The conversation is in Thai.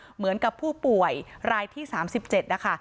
เหมือนกับผู้ป่วยรายที่๓๗นะคะ